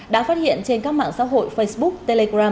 đã phát hiện trên các mạng xã hội facebook telegram